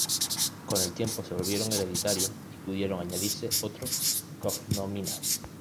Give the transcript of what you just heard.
Con el tiempo se volvieron hereditarios y pudieron añadirse otros "cognomina".